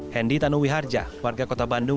hendy tanuwi harja warga kota bandung